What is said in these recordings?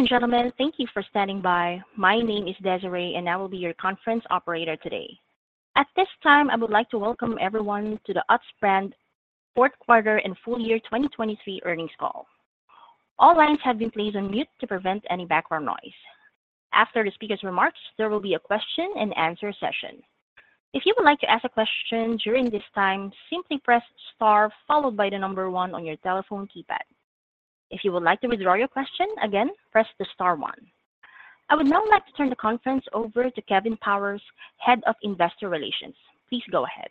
Ladies and gentlemen, thank you for standing by. My name is Desiree, and I will be your conference operator today. At this time, I would like to welcome everyone to the Utz Brands fourth quarter and full year 2023 earnings call. All lines have been placed on mute to prevent any background noise. After the speaker's remarks, there will be a question-and-answer session. If you would like to ask a question during this time, simply press * followed by the number 1 on your telephone keypad. If you would like to withdraw your question, again, press the * 1. I would now like to turn the conference over to Kevin Powers, Head of Investor Relations. Please go ahead.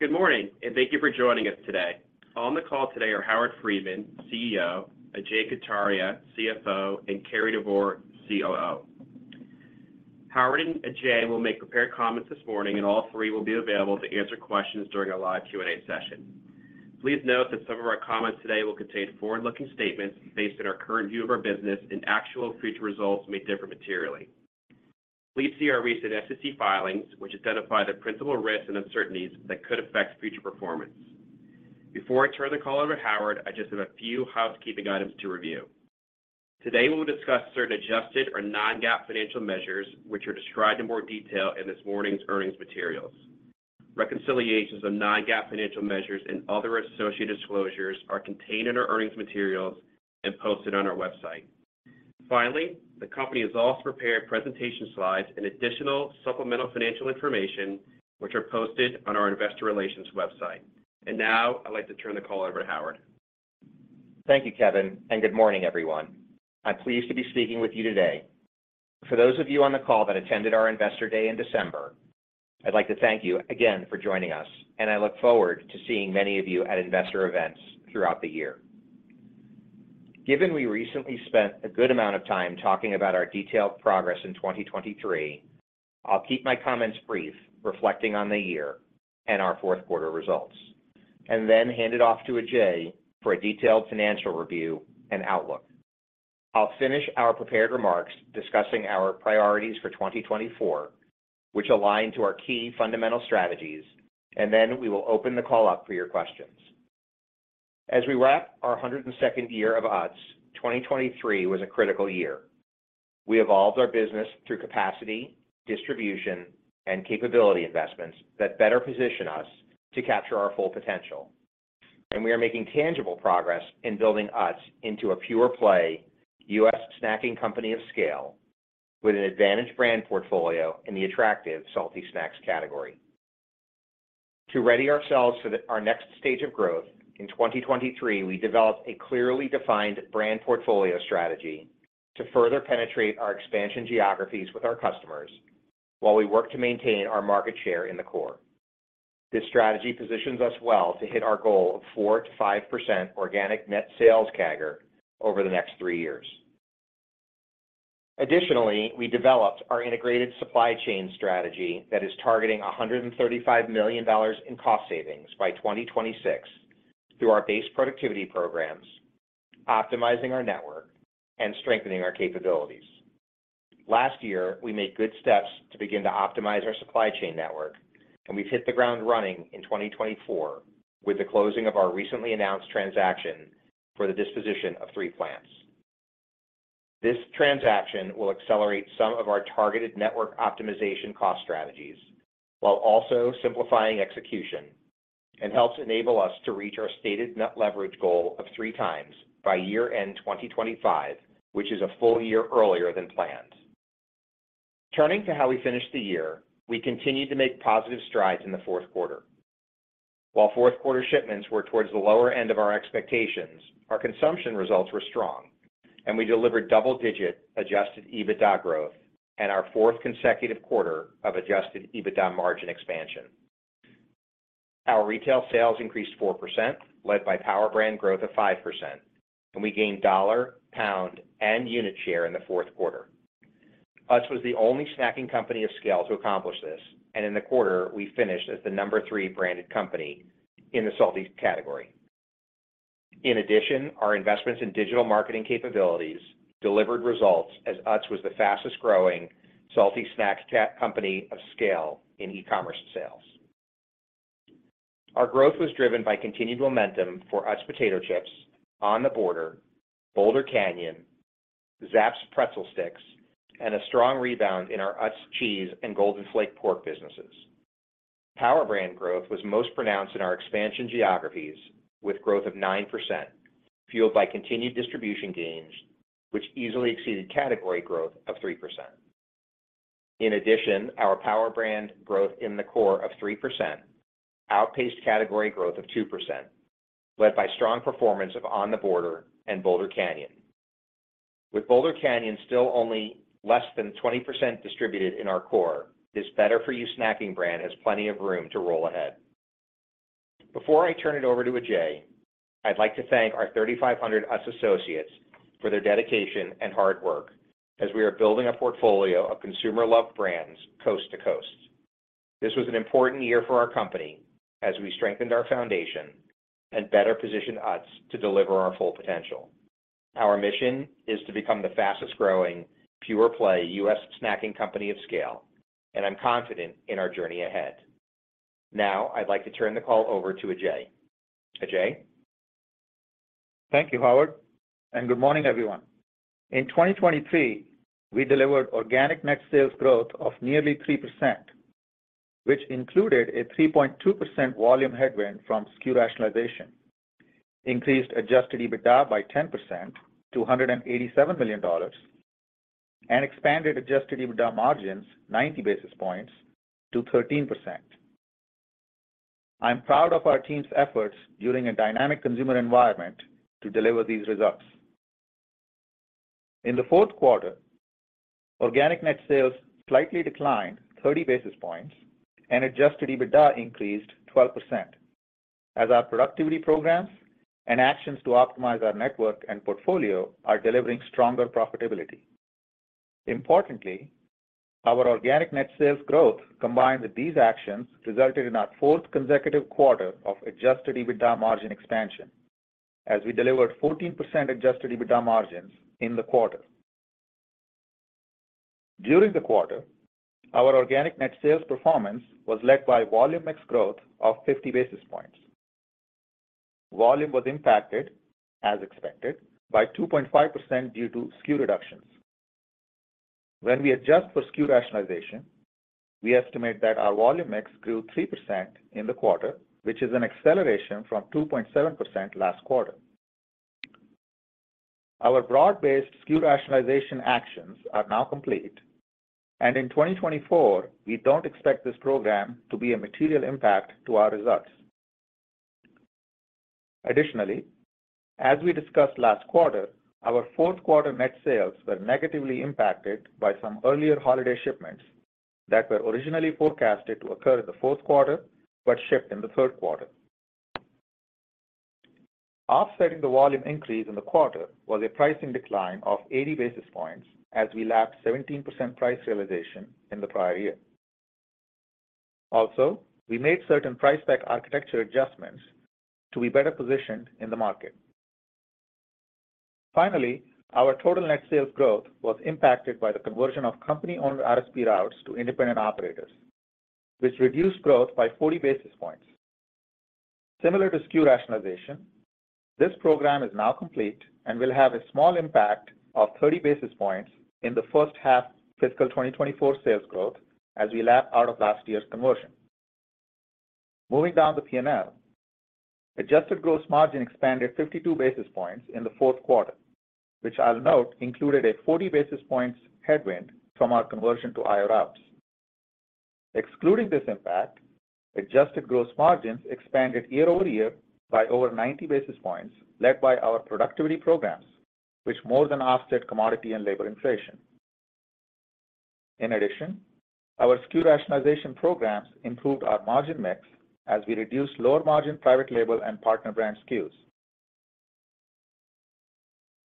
Good morning, and thank you for joining us today. On the call today are Howard Friedman, CEO, Ajay Kataria, CFO, and Cary Devore, COO. Howard and Ajay will make prepared comments this morning, and all three will be available to answer questions during our live Q&A session. Please note that some of our comments today will contain forward-looking statements based on our current view of our business, and actual future results may differ materially. Please see our recent SEC filings, which identify the principal risks and uncertainties that could affect future performance. Before I turn the call over to Howard, I just have a few housekeeping items to review. Today we will discuss certain adjusted or non-GAAP financial measures, which are described in more detail in this morning's earnings materials. Reconciliations of non-GAAP financial measures and other associated disclosures are contained in our earnings materials and posted on our website. Finally, the company has also prepared presentation slides and additional supplemental financial information, which are posted on our Investor Relations website. Now I'd like to turn the call over to Howard. Thank you, Kevin, and good morning, everyone. I'm pleased to be speaking with you today. For those of you on the call that attended our Investor Day in December, I'd like to thank you again for joining us, and I look forward to seeing many of you at investor events throughout the year. Given we recently spent a good amount of time talking about our detailed progress in 2023, I'll keep my comments brief, reflecting on the year and our fourth quarter results, and then hand it off to Ajay for a detailed financial review and outlook. I'll finish our prepared remarks discussing our priorities for 2024, which align to our key fundamental strategies, and then we will open the call up for your questions. As we wrap our 102nd year of Utz, 2023 was a critical year. We evolved our business through capacity, distribution, and capability investments that better position us to capture our full potential, and we are making tangible progress in building UTZ into a pure-play, U.S. snacking company of scale with an advantaged brand portfolio in the attractive salty snacks category. To ready ourselves for our next stage of growth, in 2023 we developed a clearly defined brand portfolio strategy to further penetrate our expansion geographies with our customers while we work to maintain our market share in the core. This strategy positions us well to hit our goal of 4%-5% organic net sales CAGR over the next three years. Additionally, we developed our integrated supply chain strategy that is targeting $135 million in cost savings by 2026 through our base productivity programs, optimizing our network, and strengthening our capabilities. Last year we made good steps to begin to optimize our supply chain network, and we've hit the ground running in 2024 with the closing of our recently announced transaction for the disposition of 3 plants. This transaction will accelerate some of our targeted network optimization cost strategies while also simplifying execution and helps enable us to reach our stated net leverage goal of 3x by year-end 2025, which is a full year earlier than planned. Turning to how we finished the year, we continued to make positive strides in the fourth quarter. While fourth quarter shipments were towards the lower end of our expectations, our consumption results were strong, and we delivered double-digit adjusted EBITDA growth and our fourth consecutive quarter of adjusted EBITDA margin expansion. Our retail sales increased 4%, led by Power brand growth of 5%, and we gained dollar, pound, and unit share in the fourth quarter. Utz was the only snacking company of scale to accomplish this, and in the quarter we finished as the number 3 branded company in the salty category. In addition, our investments in digital marketing capabilities delivered results as Utz was the fastest growing salty snack company of scale in e-commerce sales. Our growth was driven by continued momentum for Utz Potato Chips, On The Border, Boulder Canyon, Zapp's Pretzel Stix, and a strong rebound in our Utz cheese and Golden Flake pork businesses. Power brand growth was most pronounced in our expansion geographies with growth of 9%, fueled by continued distribution gains, which easily exceeded category growth of 3%. In addition, our power brand growth in the core of 3% outpaced category growth of 2%, led by strong performance of On The Border and Boulder Canyon. With Boulder Canyon still only less than 20% distributed in our core, this better-for-you snacking brand has plenty of room to roll ahead. Before I turn it over to Ajay, I'd like to thank our 3,500 Utz associates for their dedication and hard work as we are building a portfolio of consumer-loved brands coast to coast. This was an important year for our company as we strengthened our foundation and better positioned Utz to deliver our full potential. Our mission is to become the fastest growing pure-play U.S. snacking company of scale, and I'm confident in our journey ahead. Now I'd like to turn the call over to Ajay. Ajay? Thank you, Howard, and good morning, everyone. In 2023 we delivered organic net sales growth of nearly 3%, which included a 3.2% volume headwind from SKU Rationalization, increased adjusted EBITDA by 10% to $187 million, and expanded adjusted EBITDA margins 90 basis points to 13%. I'm proud of our team's efforts during a dynamic consumer environment to deliver these results. In the fourth quarter, organic net sales slightly declined 30 basis points, and adjusted EBITDA increased 12%, as our productivity programs and actions to optimize our network and portfolio are delivering stronger profitability. Importantly, our organic net sales growth combined with these actions resulted in our fourth consecutive quarter of adjusted EBITDA margin expansion, as we delivered 14% adjusted EBITDA margins in the quarter. During the quarter, our organic net sales performance was led by volume mix growth of 50 basis points. Volume was impacted, as expected, by 2.5% due to SKU reductions. When we adjust for SKU rationalization, we estimate that our volume mix grew 3% in the quarter, which is an acceleration from 2.7% last quarter. Our broad-based SKU rationalization actions are now complete, and in 2024 we don't expect this program to be a material impact to our results. Additionally, as we discussed last quarter, our fourth quarter net sales were negatively impacted by some earlier holiday shipments that were originally forecasted to occur in the fourth quarter but shipped in the third quarter. Offsetting the volume increase in the quarter was a pricing decline of 80 basis points as we lapped 17% price realization in the prior year. Also, we made certain price pack architecture adjustments to be better positioned in the market. Finally, our total net sales growth was impacted by the conversion of company-owned RSP routes to independent operators, which reduced growth by 40 basis points. Similar to SKU rationalization, this program is now complete and will have a small impact of 30 basis points in the first half fiscal 2024 sales growth as we lap out of last year's conversion. Moving down the P&L, adjusted gross margin expanded 52 basis points in the fourth quarter, which I'll note included a 40 basis points headwind from our conversion to IO routes. Excluding this impact, adjusted gross margins expanded year-over-year by over 90 basis points, led by our productivity programs, which more than offset commodity and labor inflation. In addition, our SKU rationalization programs improved our margin mix as we reduced lower margin private label and partner brand SKUs.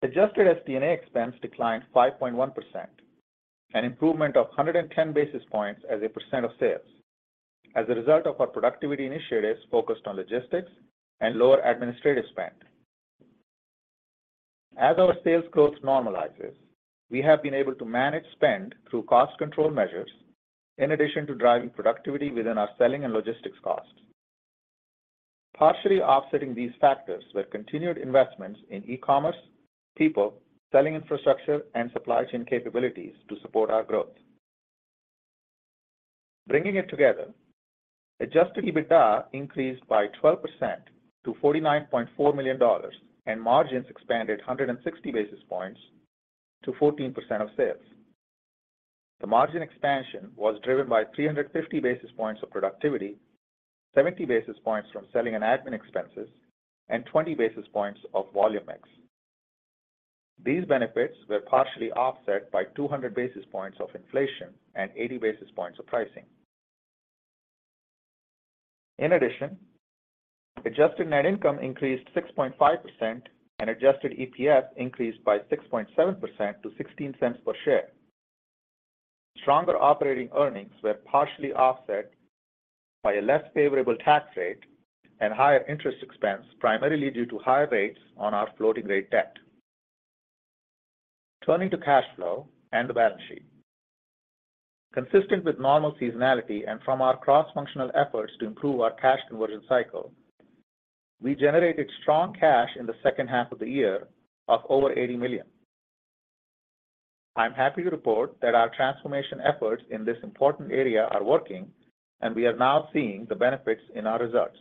Adjusted SD&A expense declined 5.1%, an improvement of 110 basis points as a percent of sales, as a result of our productivity initiatives focused on logistics and lower administrative spend. As our sales growth normalizes, we have been able to manage spend through cost control measures, in addition to driving productivity within our selling and logistics costs. Partially offsetting these factors were continued investments in e-commerce, people, selling infrastructure, and supply chain capabilities to support our growth. Bringing it together, adjusted EBITDA increased by 12% to $49.4 million, and margins expanded 160 basis points to 14% of sales. The margin expansion was driven by 350 basis points of productivity, 70 basis points from selling and admin expenses, and 20 basis points of volume mix. These benefits were partially offset by 200 basis points of inflation and 80 basis points of pricing. In addition, adjusted net income increased 6.5%, and adjusted EPS increased by 6.7% to $0.16 per share. Stronger operating earnings were partially offset by a less favorable tax rate and higher interest expense, primarily due to higher rates on our floating rate debt. Turning to cash flow and the balance sheet. Consistent with normal seasonality and from our cross-functional efforts to improve our cash conversion cycle, we generated strong cash in the second half of the year of over $80 million. I'm happy to report that our transformation efforts in this important area are working, and we are now seeing the benefits in our results.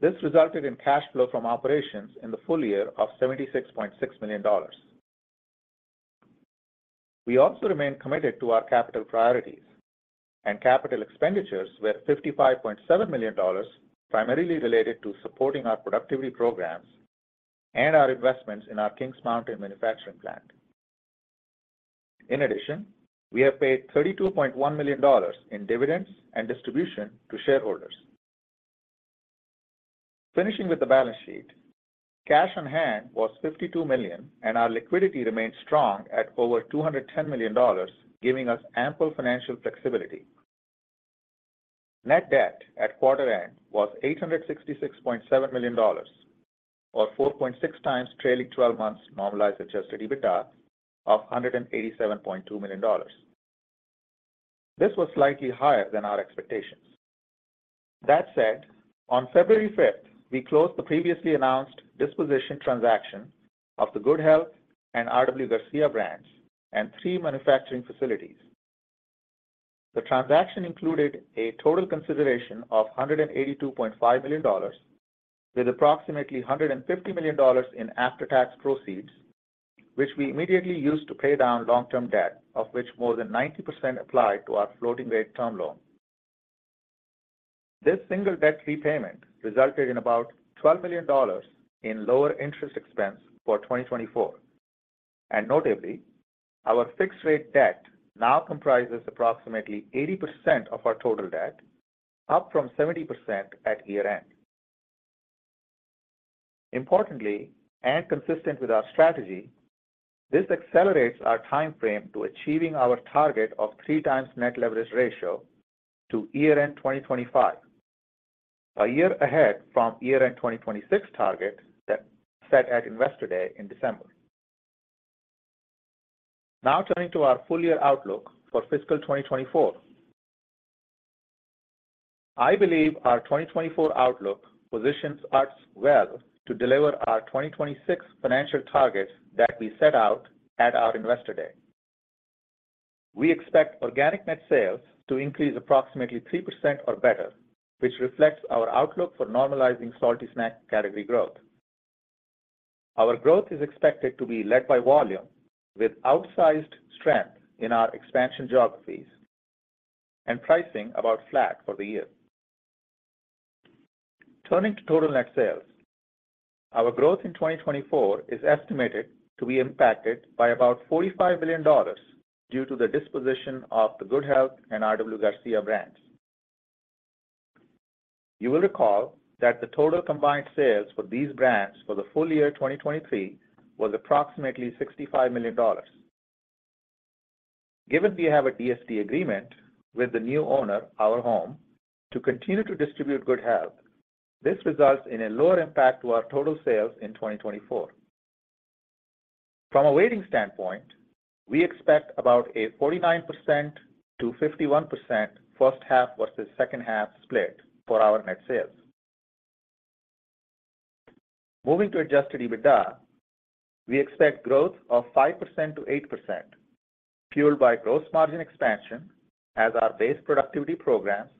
This resulted in cash flow from operations in the full year of $76.6 million. We also remain committed to our capital priorities, and capital expenditures were $55.7 million, primarily related to supporting our productivity programs and our investments in our Kings Mountain manufacturing plant. In addition, we have paid $32.1 million in dividends and distribution to shareholders. Finishing with the balance sheet, cash on hand was $52 million, and our liquidity remained strong at over $210 million, giving us ample financial flexibility. Net debt at quarter end was $866.7 million, or 4.6 times trailing 12 months normalized Adjusted EBITDA of $187.2 million. This was slightly higher than our expectations. That said, on February 5th, we closed the previously announced disposition transaction of the Good Health and R.W. Garcia brands and three manufacturing facilities. The transaction included a total consideration of $182.5 million, with approximately $150 million in after-tax proceeds, which we immediately used to pay down long-term debt, of which more than 90% applied to our floating rate term loan. This single debt repayment resulted in about $12 million in lower interest expense for 2024, and notably, our fixed rate debt now comprises approximately 80% of our total debt, up from 70% at year-end. Importantly, and consistent with our strategy, this accelerates our time frame to achieving our target of 3x net leverage ratio to year-end 2025, a year ahead from year-end 2026 target set at Investor Day in December. Now turning to our full-year outlook for fiscal 2024. I believe our 2024 outlook positions UTZ well to deliver our 2026 financial targets that we set out at our Investor Day. We expect organic net sales to increase approximately 3% or better, which reflects our outlook for normalizing salty snack category growth. Our growth is expected to be led by volume with outsized strength in our expansion geographies and pricing about flat for the year. Turning to total net sales, our growth in 2024 is estimated to be impacted by about $45 million due to the disposition of the Good Health and R.W. Garcia brands. You will recall that the total combined sales for these brands for the full year 2023 was approximately $65 million. Given we have a TSA agreement with the new owner, Our Home, to continue to distribute Good Health, this results in a lower impact to our total sales in 2024. From a weighting standpoint, we expect about a 49%-51% first half versus second half split for our net sales. Moving to Adjusted EBITDA, we expect growth of 5%-8%, fueled by gross margin expansion as our base productivity programs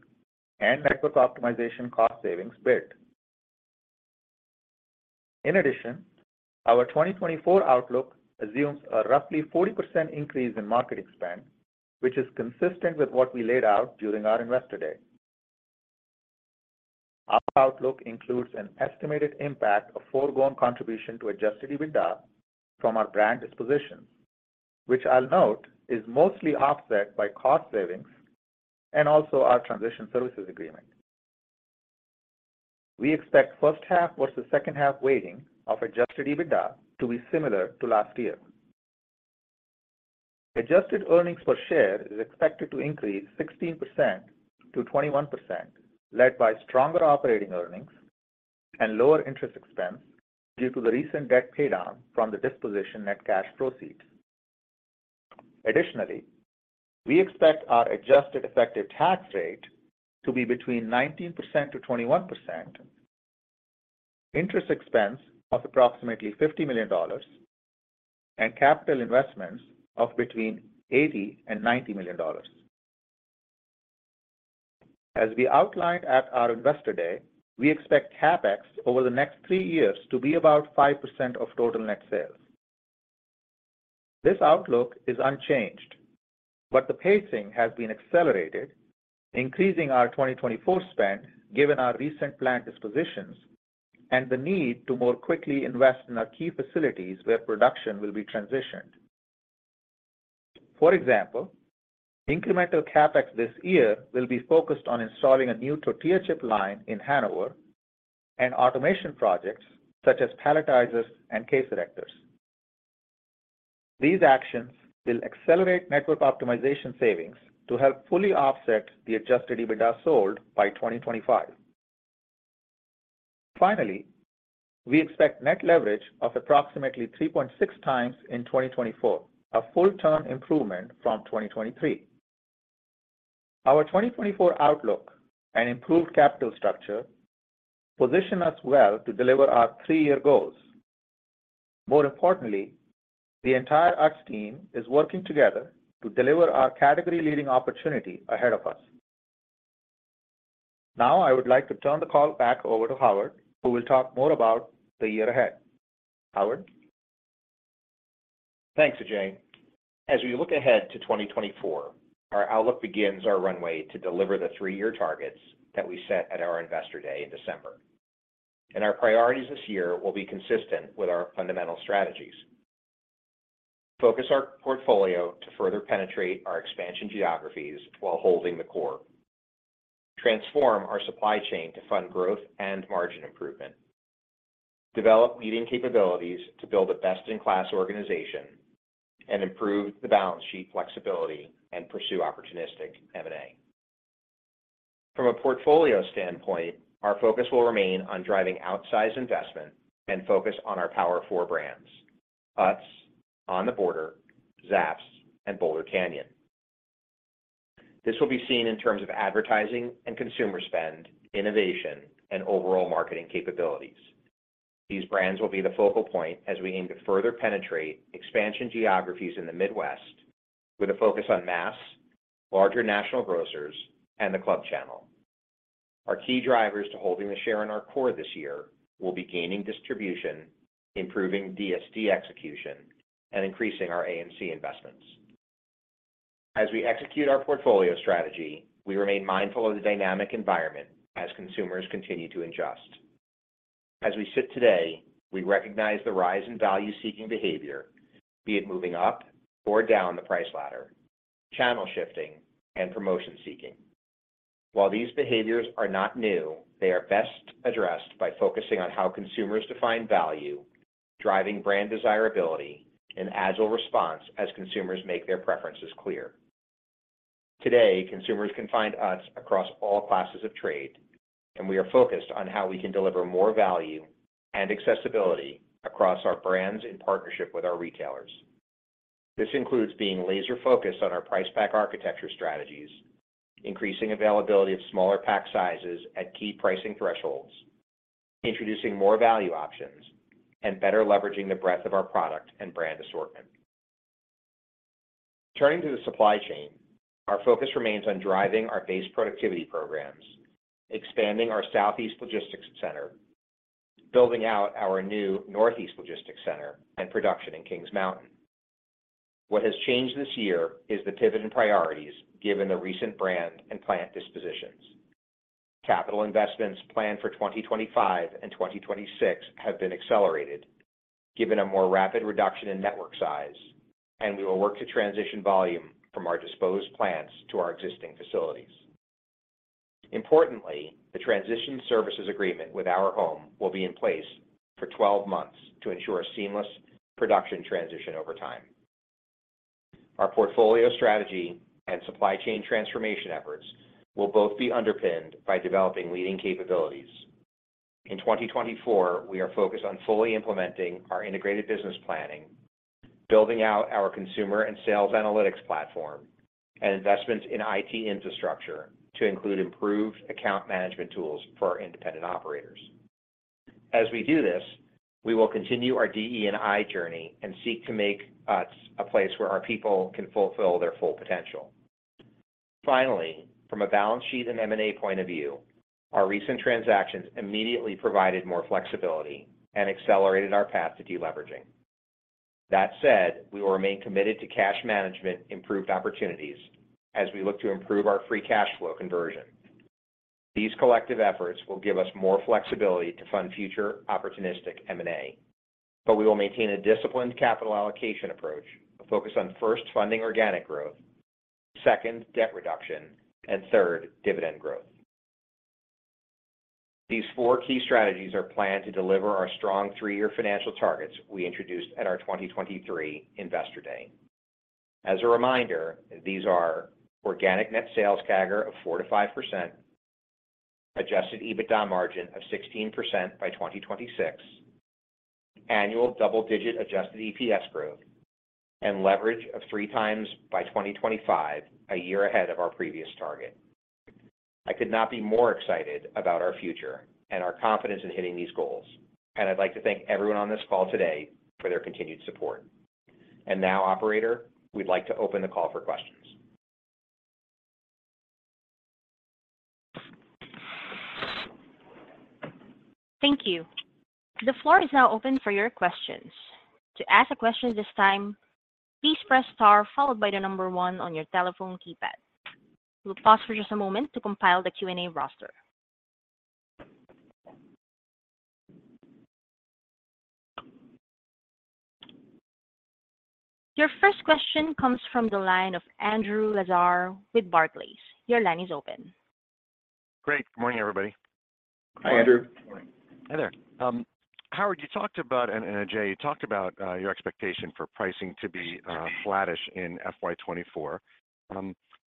and network optimization cost savings built. In addition, our 2024 outlook assumes a roughly 40% increase in marketing spend, which is consistent with what we laid out during our Investor Day. Our outlook includes an estimated impact of foregone contribution to Adjusted EBITDA from our brand dispositions, which I'll note is mostly offset by cost savings and also our Transition Services Agreement. We expect first half versus second half weighting of Adjusted EBITDA to be similar to last year. Adjusted earnings per share is expected to increase 16%-21%, led by stronger operating earnings and lower interest expense due to the recent debt paydown from the disposition net cash proceeds. Additionally, we expect our Adjusted Effective Tax Rate to be between 19%-21%, interest expense of approximately $50 million, and capital investments of between $80-$90 million. As we outlined at our Investor Day, we expect CAPEX over the next three years to be about 5% of total net sales. This outlook is unchanged, but the pacing has been accelerated, increasing our 2024 spend given our recent plant dispositions and the need to more quickly invest in our key facilities where production will be transitioned. For example, incremental CAPEX this year will be focused on installing a new tortilla chip line in Hanover and automation projects such as palletizers and case erectors. These actions will accelerate network optimization savings to help fully offset the Adjusted EBITDA sold by 2025. Finally, we expect net leverage of approximately 3.6 times in 2024, a full-term improvement from 2023. Our 2024 outlook and improved capital structure position us well to deliver our three-year goals. More importantly, the entire Utz team is working together to deliver our category-leading opportunity ahead of us. Now I would like to turn the call back over to Howard, who will talk more about the year ahead. Howard? Thanks, Ajay. As we look ahead to 2024, our outlook begins our runway to deliver the three-year targets that we set at our Investor Day in December, and our priorities this year will be consistent with our fundamental strategies. Focus our portfolio to further penetrate our expansion geographies while holding the core. Transform our supply chain to fund growth and margin improvement. Develop leading capabilities to build a best-in-class organization and improve the balance sheet flexibility and pursue opportunistic M&A. From a portfolio standpoint, our focus will remain on driving outsized investment and focus on our Power 4 Brands: Utz, On the Border, Zapp's, and Boulder Canyon. This will be seen in terms of advertising and consumer spend, innovation, and overall marketing capabilities. These brands will be the focal point as we aim to further penetrate expansion geographies in the Midwest with a focus on Mass, larger national grocers, and the Club Channel. Our key drivers to holding the share in our core this year will be gaining distribution, improving DSD execution, and increasing our A&C investments. As we execute our portfolio strategy, we remain mindful of the dynamic environment as consumers continue to adjust. As we sit today, we recognize the rise in value-seeking behavior, be it moving up or down the price ladder, channel shifting, and promotion seeking. While these behaviors are not new, they are best addressed by focusing on how consumers define value, driving brand desirability, and agile response as consumers make their preferences clear. Today, consumers can find Utz across all classes of trade, and we are focused on how we can deliver more value and accessibility across our brands in partnership with our retailers. This includes being laser-focused on our Price Pack Architecture strategies, increasing availability of smaller pack sizes at key pricing thresholds, introducing more value options, and better leveraging the breadth of our product and brand assortment. Turning to the supply chain, our focus remains on driving our base productivity programs, expanding our Southeast Logistics Center, building out our new Northeast Logistics Center and production in Kings Mountain. What has changed this year is the pivot in priorities given the recent brand and plant dispositions. Capital investments planned for 2025 and 2026 have been accelerated given a more rapid reduction in network size, and we will work to transition volume from our disposed plants to our existing facilities. Importantly, the transition services agreement with Our Home will be in place for 12 months to ensure a seamless production transition over time. Our portfolio strategy and supply chain transformation efforts will both be underpinned by developing leading capabilities. In 2024, we are focused on fully implementing our integrated business planning, building out our consumer and sales analytics platform, and investments in IT infrastructure to include improved account management tools for our independent operators. As we do this, we will continue our DE&I journey and seek to make Utz a place where our people can fulfill their full potential. Finally, from a balance sheet and M&A point of view, our recent transactions immediately provided more flexibility and accelerated our path to deleveraging. That said, we will remain committed to cash management improved opportunities as we look to improve our free cash flow conversion. These collective efforts will give us more flexibility to fund future opportunistic M&A, but we will maintain a disciplined capital allocation approach focused on first, funding organic growth, second, debt reduction, and third, dividend growth. These four key strategies are planned to deliver our strong three-year financial targets we introduced at our 2023 Investor Day. As a reminder, these are organic net sales CAGR of 4%-5%, adjusted EBITDA margin of 16% by 2026, annual double-digit adjusted EPS growth, and leverage of 3x by 2025, a year ahead of our previous target. I could not be more excited about our future and our confidence in hitting these goals, and I'd like to thank everyone on this call today for their continued support. And now, operator, we'd like to open the call for questions. Thank you. The floor is now open for your questions. To ask a question this time, please press star followed by the number one on your telephone keypad. We'll pause for just a moment to compile the Q&A roster. Your first question comes from the line of Andrew Lazar with Barclays. Your line is open. Great. Good morning, everybody. Hi, Andrew. Hi there. Howard, you talked about and Ajay, you talked about your expectation for pricing to be flattish in FY 2024.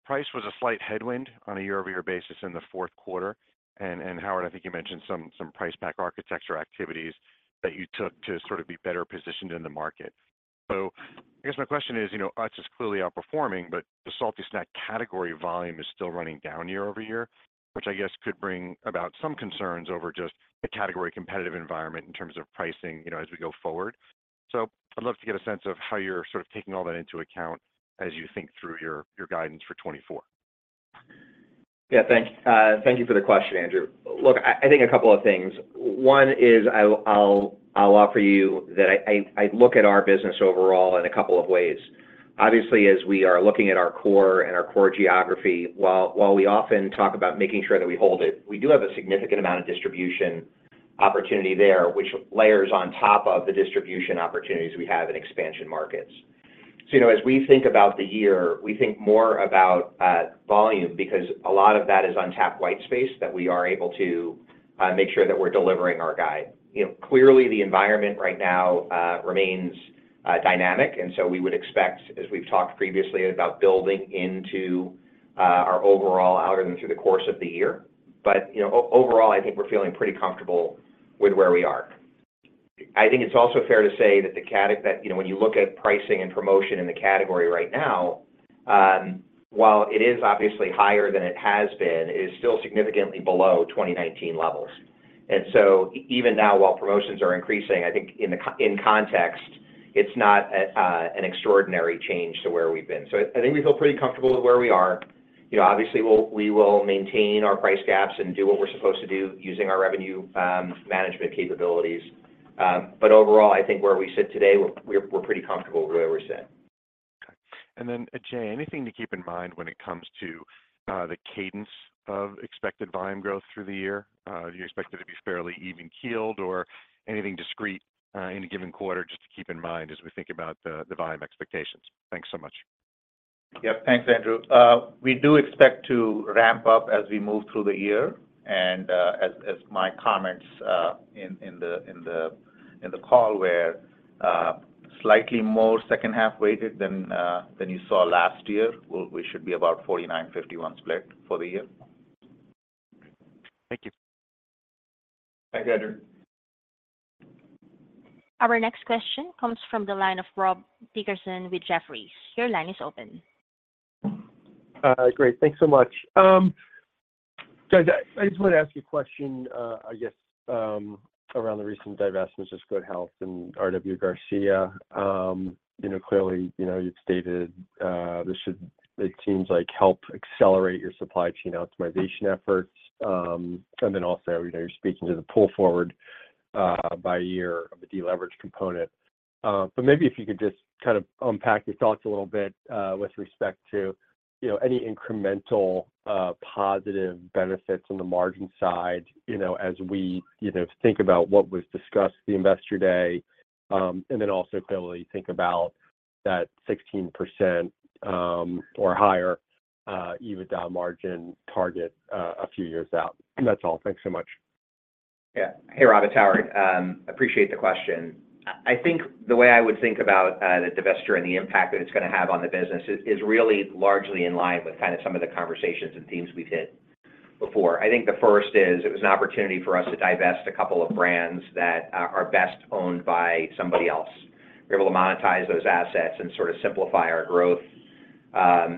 Price was a slight headwind on a year-over-year basis in the fourth quarter, and Howard, I think you mentioned some Price Pack Architecture activities that you took to sort of be better positioned in the market. So I guess my question is, UTZ is clearly outperforming, but the salty snack category volume is still running down year over year, which I guess could bring about some concerns over just the category competitive environment in terms of pricing as we go forward. So I'd love to get a sense of how you're sort of taking all that into account as you think through your guidance for 2024. Yeah, thank you for the question, Andrew. Look, I think a couple of things. One is I'll offer you that I look at our business overall in a couple of ways. Obviously, as we are looking at our core and our core geography, while we often talk about making sure that we hold it, we do have a significant amount of distribution opportunity there, which layers on top of the distribution opportunities we have in expansion markets. So as we think about the year, we think more about volume because a lot of that is untapped white space that we are able to make sure that we're delivering our guide. Clearly, the environment right now remains dynamic, and so we would expect, as we've talked previously, about building into our overall algorithm through the course of the year. But overall, I think we're feeling pretty comfortable with where we are. I think it's also fair to say that when you look at pricing and promotion in the category right now, while it is obviously higher than it has been, it is still significantly below 2019 levels. And so even now, while promotions are increasing, I think in context, it's not an extraordinary change to where we've been. So I think we feel pretty comfortable with where we are. Obviously, we will maintain our price gaps and do what we're supposed to do using our revenue management capabilities. But overall, I think where we sit today, we're pretty comfortable with where we're sitting. Okay. And then, Ajay, anything to keep in mind when it comes to the cadence of expected volume growth through the year? Do you expect it to be fairly even-keeled or anything discrete in a given quarter just to keep in mind as we think about the volume expectations? Thanks so much. Yep, thanks, Andrew. We do expect to ramp up as we move through the year. As my comments in the call were, slightly more second-half weighted than you saw last year, we should be about 49-51 split for the year. Thank you. Thanks, Andrew. Our next question comes from the line of Rob Dickerson with Jefferies. Your line is open. Great. Thanks so much. Guys, I just wanted to ask you a question, I guess, around the recent divestments just Good Health and R.W. Garcia. Clearly, you've stated this should, it seems like, help accelerate your supply chain optimization efforts. And then also, you're speaking to the pull forward by year of the deleverage component. But maybe if you could just kind of unpack your thoughts a little bit with respect to any incremental positive benefits on the margin side as we think about what was discussed the Investor Day, and then also clearly think about that 16% or higher EBITDA margin target a few years out. That's all. Thanks so much. Yeah. Hey, Rob. It's Howard. Appreciate the question. I think the way I would think about the divestiture and the impact that it's going to have on the business is really largely in line with kind of some of the conversations and themes we've hit before. I think the first is it was an opportunity for us to divest a couple of brands that are best owned by somebody else. We were able to monetize those assets and sort of simplify our growth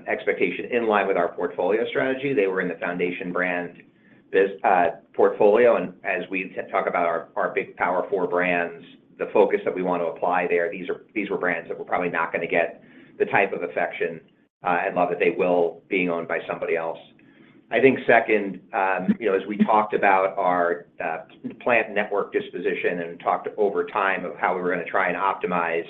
expectation in line with our portfolio strategy. They were in the foundation brand portfolio. As we talk about our big Power 4 Brands, the focus that we want to apply there, these were brands that we're probably not going to get the type of affection and love that they will being owned by somebody else. I think second, as we talked about our plant network disposition and talked over time of how we were going to try and optimize,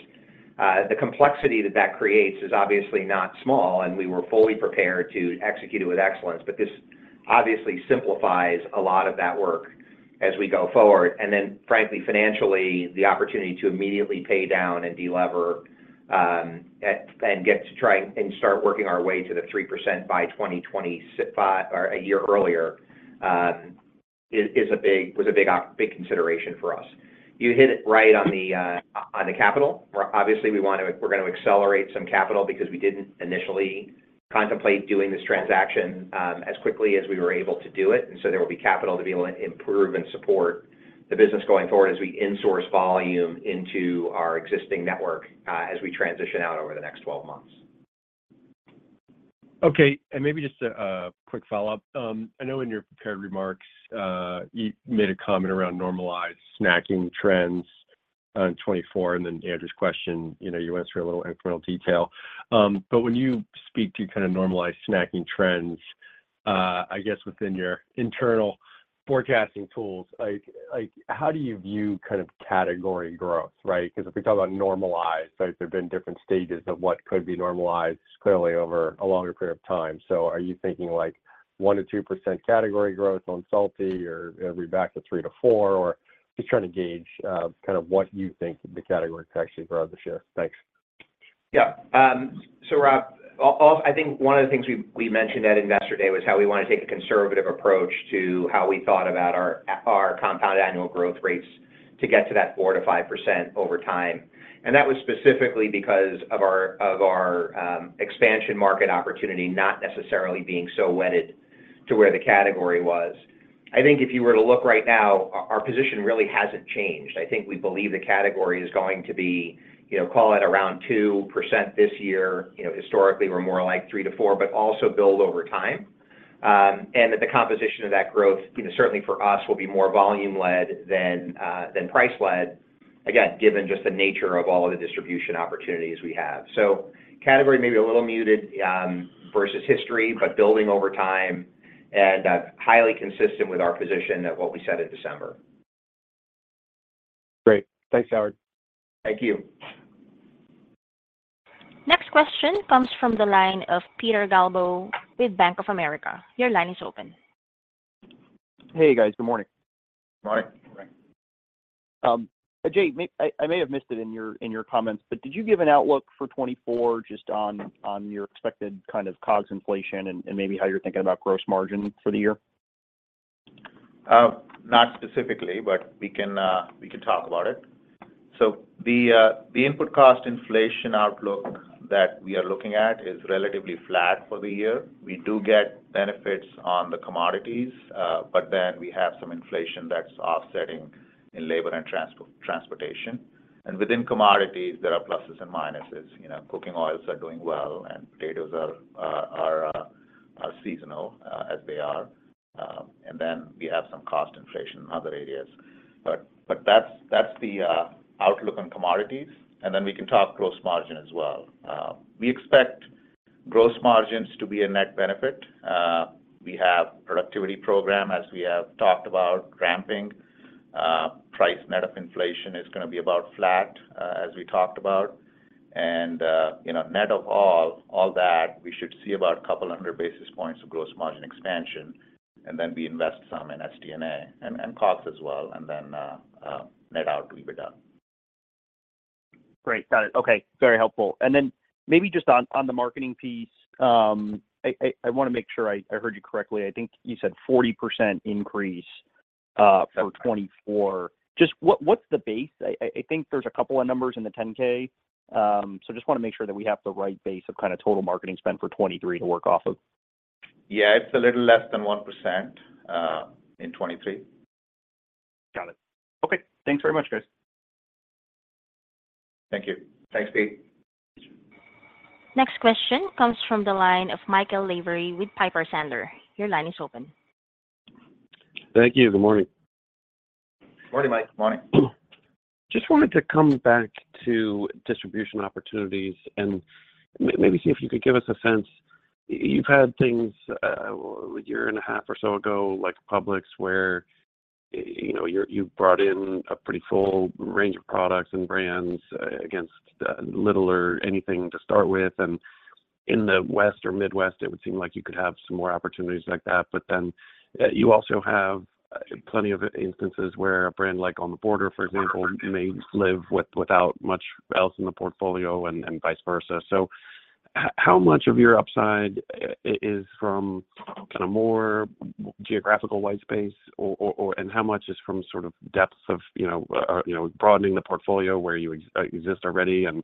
the complexity that that creates is obviously not small, and we were fully prepared to execute it with excellence. But this obviously simplifies a lot of that work as we go forward. And then, frankly, financially, the opportunity to immediately pay down and delever and get to try and start working our way to the 3% by 2025 or a year earlier was a big consideration for us. You hit it right on the capital. Obviously, we're going to accelerate some capital because we didn't initially contemplate doing this transaction as quickly as we were able to do it. There will be capital to be able to improve and support the business going forward as we insource volume into our existing network as we transition out over the next 12 months. Okay. Maybe just a quick follow-up. I know in your prepared remarks, you made a comment around normalized snacking trends in 2024. And then Andrew's question, you went through a little incremental detail. But when you speak to kind of normalized snacking trends, I guess within your internal forecasting tools, how do you view kind of category growth, right? Because if we talk about normalized, there've been different stages of what could be normalized, clearly, over a longer period of time. So are you thinking 1%-2% category growth on salty or are we back to 3%-4%? Or just trying to gauge kind of what you think the category could actually grow the shift. Thanks. Yeah. So Rob, I think one of the things we mentioned at Investor Day was how we want to take a conservative approach to how we thought about our compound annual growth rates to get to that 4%-5% over time. And that was specifically because of our expansion market opportunity not necessarily being so wedded to where the category was. I think if you were to look right now, our position really hasn't changed. I think we believe the category is going to be, call it, around 2% this year. Historically, we're more like 3%-4%, but also build over time. And that the composition of that growth, certainly for us, will be more volume-led than price-led, again, given just the nature of all of the distribution opportunities we have. Category may be a little muted versus history, but building over time and highly consistent with our position of what we said in December. Great. Thanks, Howard. Thank you. Next question comes from the line of Peter Galbo with Bank of America. Your line is open. Hey, guys. Good morning. Good morning. Ajay, I may have missed it in your comments, but did you give an outlook for 2024 just on your expected kind of COGS inflation and maybe how you're thinking about gross margin for the year? Not specifically, but we can talk about it. So the input cost inflation outlook that we are looking at is relatively flat for the year. We do get benefits on the commodities, but then we have some inflation that's offsetting in labor and transportation. And within commodities, there are pluses and minuses. Cooking oils are doing well, and potatoes are seasonal as they are. And then we have some cost inflation in other areas. But that's the outlook on commodities. And then we can talk gross margin as well. We expect gross margins to be a net benefit. We have productivity program, as we have talked about, ramping. Price net of inflation is going to be about flat, as we talked about.Net of all that, we should see about 200 basis points of gross margin expansion, and then we invest some in SD&A and COGS as well, and then net out EBITDA. Great. Got it. Okay. Very helpful. And then maybe just on the marketing piece, I want to make sure I heard you correctly. I think you said 40% increase for 2024. Just what's the base? I think there's a couple of numbers in the 10-K. So just want to make sure that we have the right base of kind of total marketing spend for 2023 to work off of. Yeah, it's a little less than 1% in 2023. Got it. Okay. Thanks very much, guys. Thank you. Thanks, Pete. Next question comes from the line of Michael Lavery with Piper Sandler. Your line is open. Thank you. Good morning. Morning, Mike. Good morning. Just wanted to come back to distribution opportunities and maybe see if you could give us a sense. You've had things a year and a half or so ago, like Publix, where you brought in a pretty full range of products and brands against little or anything to start with. And in the West or Midwest, it would seem like you could have some more opportunities like that. But then you also have plenty of instances where a brand like On the Border, for example, may live without much else in the portfolio and vice versa. So how much of your upside is from kind of more geographical white space, and how much is from sort of depth of broadening the portfolio where you exist already? And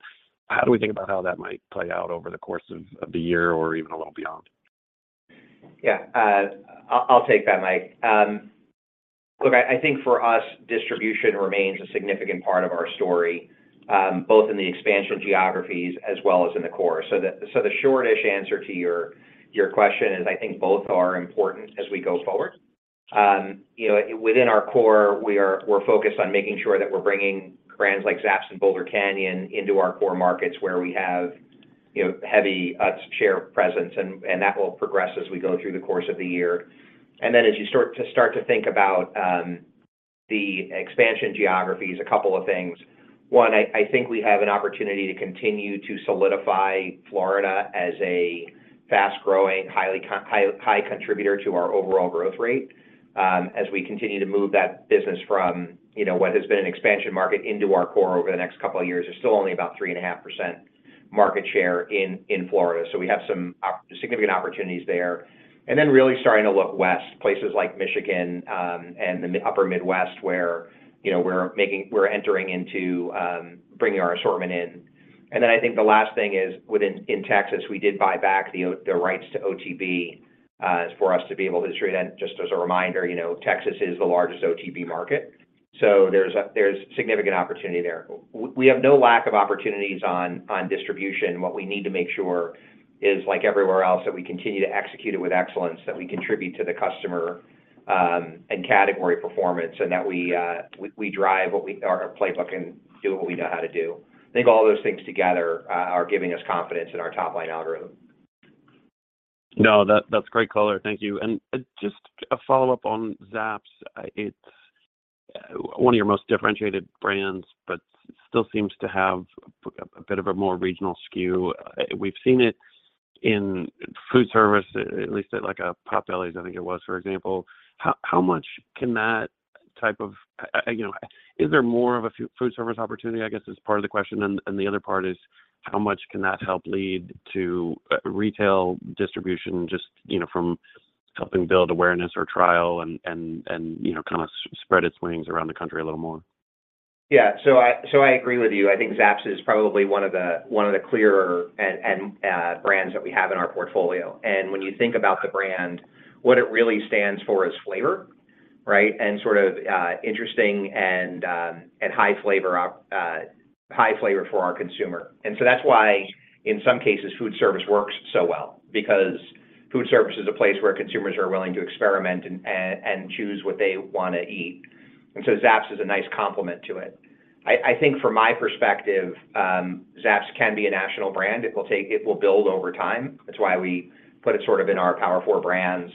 how do we think about how that might play out over the course of the year or even a little beyond? Yeah. I'll take that, Mike. Look, I think for us, distribution remains a significant part of our story, both in the expansion geographies as well as in the core. So the short-ish answer to your question is I think both are important as we go forward. Within our core, we're focused on making sure that we're bringing brands like Zapp's and Boulder Canyon into our core markets where we have heavy Utz share presence, and that will progress as we go through the course of the year. And then as you start to think about the expansion geographies, a couple of things. One, I think we have an opportunity to continue to solidify Florida as a fast-growing, high contributor to our overall growth rate. As we continue to move that business from what has been an expansion market into our core over the next couple of years, there's still only about 3.5% market share in Florida. We have some significant opportunities there. Really starting to look west, places like Michigan and the upper Midwest where we're entering into bringing our assortment in. I think the last thing is in Texas, we did buy back the rights to OTB for us to be able to distribute. Just as a reminder, Texas is the largest OTB market. There's significant opportunity there. We have no lack of opportunities on distribution. What we need to make sure is, like everywhere else, that we continue to execute it with excellence, that we contribute to the customer and category performance, and that we drive what we are a playbook and do what we know how to do. I think all those things together are giving us confidence in our top-line algorithm. No, that's great color. Thank you. And just a follow-up on Zapp's. It's one of your most differentiated brands, but still seems to have a bit of a more regional skew. We've seen it in food service, at least at Popeyes, I think it was, for example. How much can that type of is there more of a food service opportunity, I guess, is part of the question. And the other part is how much can that help lead to retail distribution just from helping build awareness or trial and kind of spread its wings around the country a little more? Yeah. I agree with you. I think Zapp's is probably one of the clearer brands that we have in our portfolio. When you think about the brand, what it really stands for is flavor, right, and sort of interesting and high flavor for our consumer. That's why, in some cases, food service works so well because food service is a place where consumers are willing to experiment and choose what they want to eat. Zapp's is a nice complement to it. I think, from my perspective, Zapp's can be a national brand. It will build over time. That's why we put it sort of in our Power 4 Brands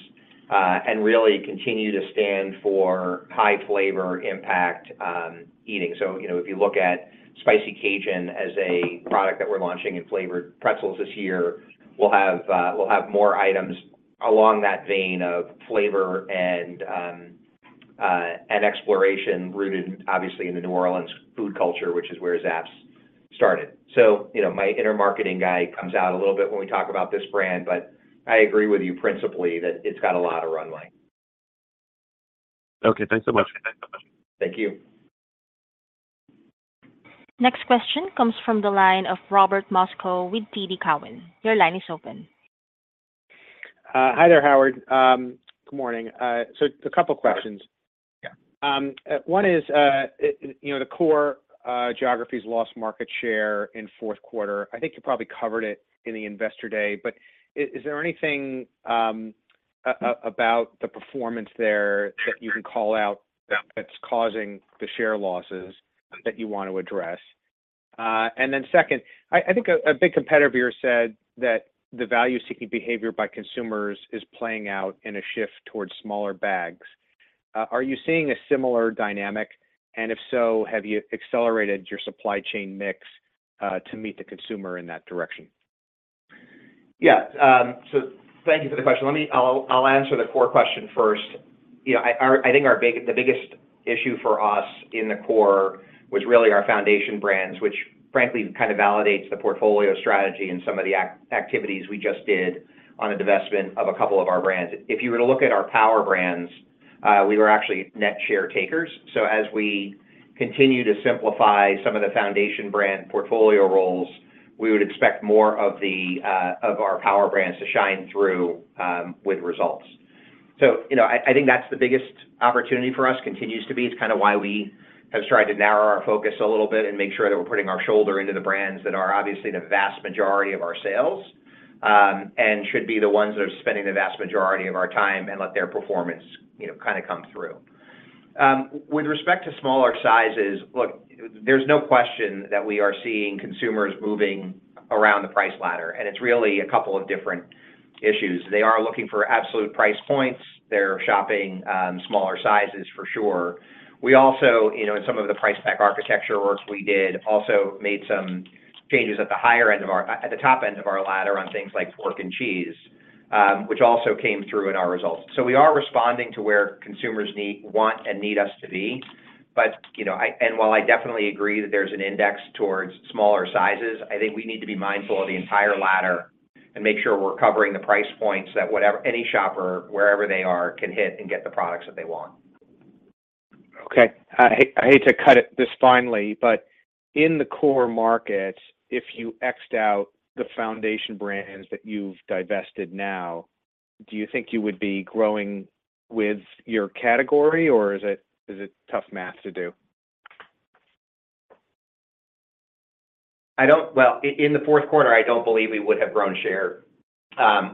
and really continue to stand for high flavor impact eating. So if you look at Spicy Cajun as a product that we're launching in flavored pretzels this year, we'll have more items along that vein of flavor and exploration rooted, obviously, in the New Orleans food culture, which is where Zapp's started. So my inner marketing guy comes out a little bit when we talk about this brand, but I agree with you principally that it's got a lot of runway. Okay. Thanks so much. Thank you. Next question comes from the line of Robert Moskow with TD Cowen. Your line is open. Hi there, Howard. Good morning. So a couple of questions. One is the core geography's lost market share in fourth quarter. I think you probably covered it in the Investor Day, but is there anything about the performance there that you can call out that's causing the share losses that you want to address? And then second, I think a big competitor of yours said that the value-seeking behavior by consumers is playing out in a shift towards smaller bags. Are you seeing a similar dynamic? And if so, have you accelerated your supply chain mix to meet the consumer in that direction? Yeah. So thank you for the question. I'll answer the core question first. I think the biggest issue for us in the core was really our foundation brands, which, frankly, kind of validates the portfolio strategy and some of the activities we just did on the divestment of a couple of our brands. If you were to look at our power brands, we were actually net share takers. So as we continue to simplify some of the foundation brand portfolio roles, we would expect more of our power brands to shine through with results. So I think that's the biggest opportunity for us, continues to be. It's kind of why we have tried to narrow our focus a little bit and make sure that we're putting our shoulder into the brands that are obviously the vast majority of our sales and should be the ones that are spending the vast majority of our time and let their performance kind of come through. With respect to smaller sizes, look, there's no question that we are seeing consumers moving around the price ladder. And it's really a couple of different issues. They are looking for absolute price points. They're shopping smaller sizes, for sure. We also, in some of the price pack architecture work we did, also made some changes at the higher end of our at the top end of our ladder on things like pork and cheese, which also came through in our results. We are responding to where consumers want and need us to be. While I definitely agree that there's an index towards smaller sizes, I think we need to be mindful of the entire ladder and make sure we're covering the price points that any shopper, wherever they are, can hit and get the products that they want. Okay. I hate to cut it short, but in the core markets, if you X'd out the foundation brands that you've divested now, do you think you would be growing with your category, or is it tough math to do? Well, in the fourth quarter, I don't believe we would have grown share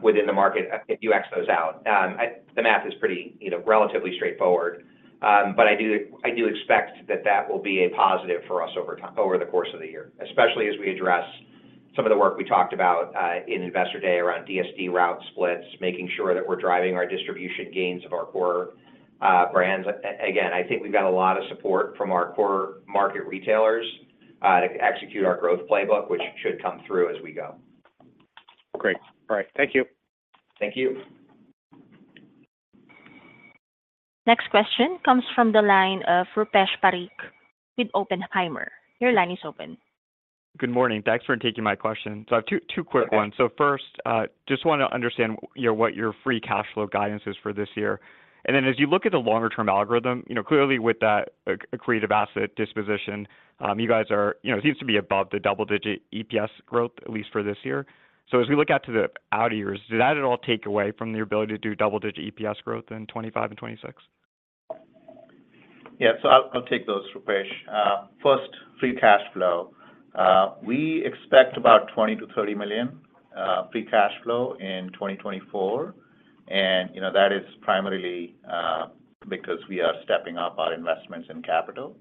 within the market if you X those out. The math is pretty relatively straightforward. But I do expect that that will be a positive for us over the course of the year, especially as we address some of the work we talked about in Investor Day around DSD route splits, making sure that we're driving our distribution gains of our core brands. Again, I think we've got a lot of support from our core market retailers to execute our growth playbook, which should come through as we go. Great. All right. Thank you. Thank you. Next question comes from the line of Rupesh Parikh with Oppenheimer. Your line is open. Good morning. Thanks for taking my question. So I have two quick ones. So first, just want to understand what your free cash flow guidance is for this year. And then as you look at the longer-term algorithm, clearly, with that creative asset disposition, you guys are it seems to be above the double-digit EPS growth, at least for this year. So as we look out to the out-of-years, did that at all take away from the ability to do double-digit EPS growth in 2025 and 2026? Yeah. So I'll take those, Rupesh. First, free cash flow. We expect about $20 million-$30 million free cash flow in 2024. And that is primarily because we are stepping up our investments in capital.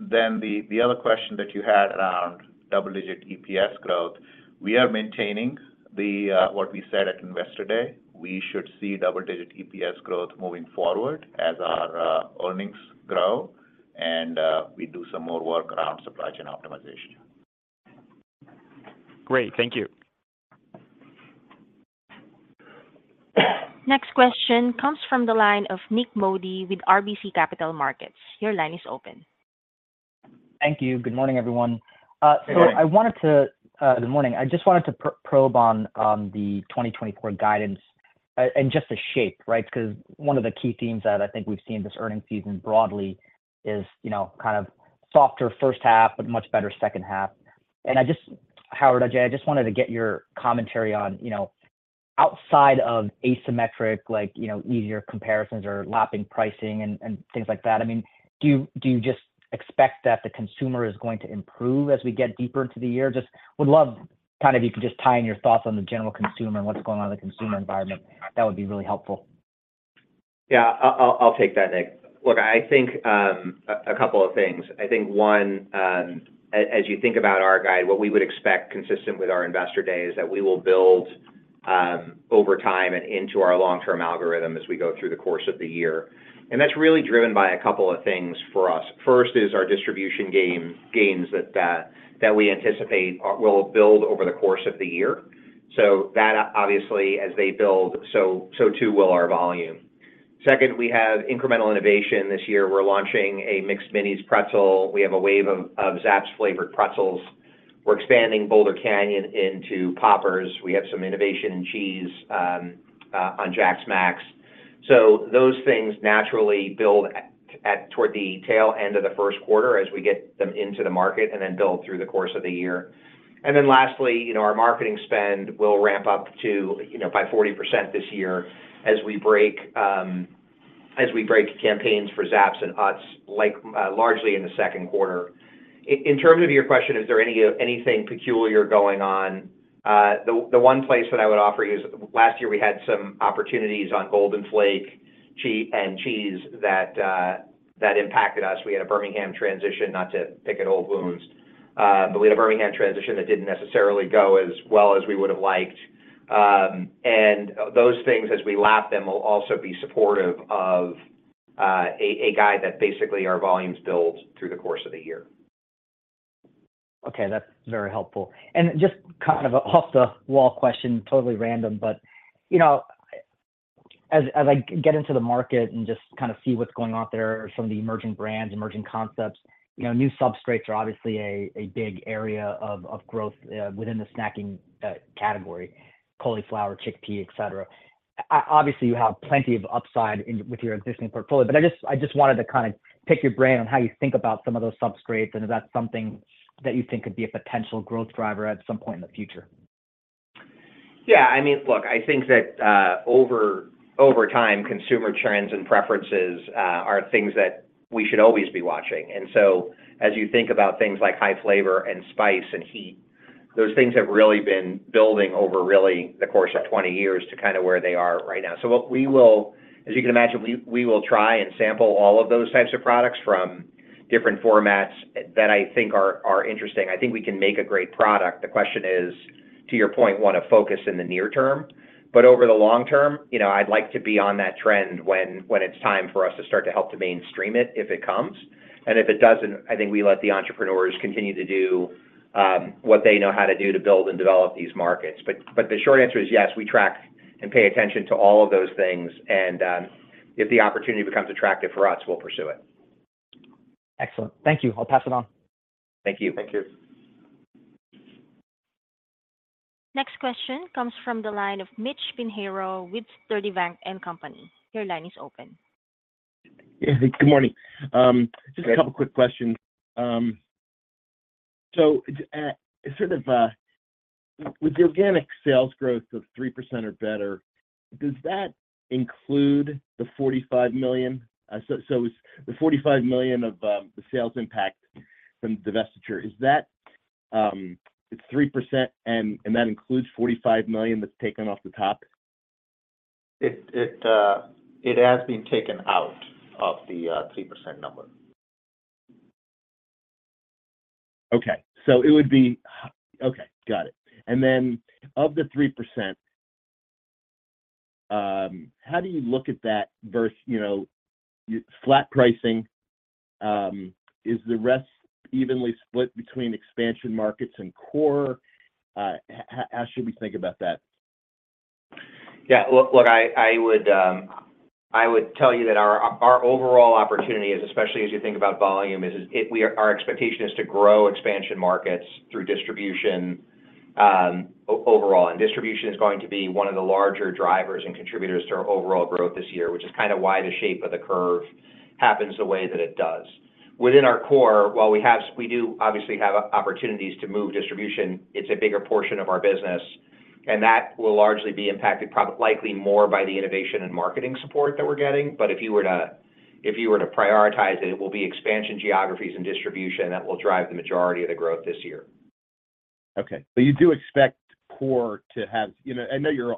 Then the other question that you had around double-digit EPS growth, we are maintaining what we said at Investor Day. We should see double-digit EPS growth moving forward as our earnings grow, and we do some more work around supply chain optimization. Great. Thank you. Next question comes from the line of Nik Modi with RBC Capital Markets. Your line is open. Thank you. Good morning, everyone. I just wanted to probe on the 2024 guidance and just the shape, right, because one of the key themes that I think we've seen this earnings season broadly is kind of softer first half, but much better second half. And Howard, Ajay, I just wanted to get your commentary on, outside of asymmetric, easier comparisons or lapping pricing and things like that. I mean, do you just expect that the consumer is going to improve as we get deeper into the year? Just would love kind of if you could just tie in your thoughts on the general consumer and what's going on in the consumer environment. That would be really helpful. Yeah. I'll take that, Nik. Look, I think a couple of things. I think, one, as you think about our guide, what we would expect consistent with our Investor Day is that we will build over time and into our long-term algorithm as we go through the course of the year. And that's really driven by a couple of things for us. First is our distribution gains that we anticipate will build over the course of the year. So that, obviously, as they build, so too will our volume. Second, we have incremental innovation this year. We're launching a Mixed Minis pretzel. We have a wave of Zapp's-flavored pretzels. We're expanding Boulder Canyon into Poppers. We have some innovation in cheese on Jax. So those things naturally build toward the tail end of the first quarter as we get them into the market and then build through the course of the year. And then lastly, our marketing spend will ramp up by 40% this year as we break campaigns for Zapp's and Utz, largely in the second quarter. In terms of your question, is there anything peculiar going on? The one place that I would offer you is last year, we had some opportunities on Golden Flake and cheese that impacted us. We had a Birmingham transition, not to pick at old wounds, but we had a Birmingham transition that didn't necessarily go as well as we would have liked. And those things, as we lap them, will also be supportive of a guide that basically our volumes build through the course of the year. Okay. That's very helpful. And just kind of off-the-wall question, totally random, but as I get into the market and just kind of see what's going on there from the emerging brands, emerging concepts, new substrates are obviously a big area of growth within the snacking category: cauliflower, chickpea, etc. Obviously, you have plenty of upside with your existing portfolio, but I just wanted to kind of pick your brain on how you think about some of those substrates and if that's something that you think could be a potential growth driver at some point in the future? Yeah. I mean, look, I think that over time, consumer trends and preferences are things that we should always be watching. And so as you think about things like high flavor and spice and heat, those things have really been building over really the course of 20 years to kind of where they are right now. So as you can imagine, we will try and sample all of those types of products from different formats that I think are interesting. I think we can make a great product. The question is, to your point, want to focus in the near term. But over the long term, I'd like to be on that trend when it's time for us to start to help to mainstream it if it comes. And if it doesn't, I think we let the entrepreneurs continue to do what they know how to do to build and develop these markets. But the short answer is yes. We track and pay attention to all of those things. And if the opportunity becomes attractive for us, we'll pursue it. Excellent. Thank you. I'll pass it on. Thank you. Thank you. Next question comes from the line of Mitchell Pinheiro with Truist. Your line is open. Yeah. Good morning. Just a couple of quick questions. So sort of with the organic sales growth of 3% or better, does that include the $45 million? So the $45 million of the sales impact from divestiture, is that it's 3%, and that includes $45 million that's taken off the top? It has been taken out of the 3% number. Okay. So it would be okay. Got it. And then of the 3%, how do you look at that versus flat pricing? Is the rest evenly split between expansion markets and core? How should we think about that? Yeah. Look, I would tell you that our overall opportunity, especially as you think about volume, is our expectation is to grow expansion markets through distribution overall. And distribution is going to be one of the larger drivers and contributors to our overall growth this year, which is kind of why the shape of the curve happens the way that it does. Within our core, while we do obviously have opportunities to move distribution, it's a bigger portion of our business. And that will largely be impacted, likely more by the innovation and marketing support that we're getting. But if you were to prioritize it, it will be expansion geographies and distribution that will drive the majority of the growth this year. Okay. But you do expect core to have. I know you're